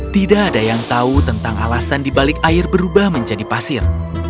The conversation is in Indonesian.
tidak ada yang tahu tentang alasan dibalik air berubah menjadi pasir